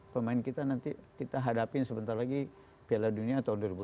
pemain kita nanti kita hadapin sebentar lagi piala dunia tahun dua ribu dua puluh